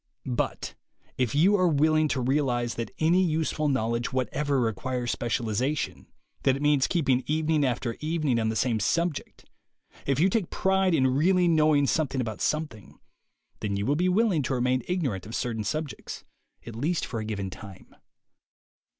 But if you are willing to realize that any useful knowledge whatever requires specialization, that it means keeping evening after evening on the same subject; if you take pride in really knowing something about something, then you will be willing to remain ignorant of certain subjects, at least for a given time.